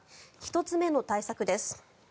１つ目の対策です。